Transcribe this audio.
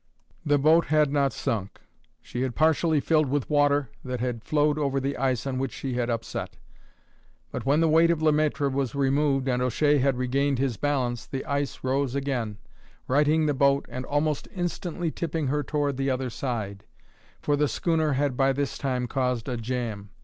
The boat had not sunk; she had partially filled with water that had flowed over the ice on which she had upset; but when the weight of Le Maître was removed and O'Shea had regained his balance, the ice rose again, righting the boat and almost instantly tipping her toward the other side, for the schooner had by this time caused a jam.